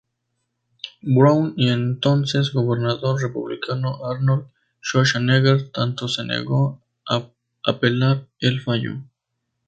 Brown y entonces gobernador republicano Arnold Schwarzenegger tanto se negó a apelar el fallo.